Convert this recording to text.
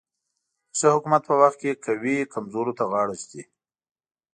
د ښه حکومت په وخت کې قوي کمزورو ته غاړه ږدي.